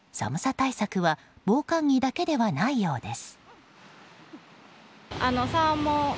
対策は防寒着だけではないようです。